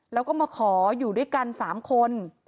แล้วก็มาขออยู่ด้วยกัน๓คน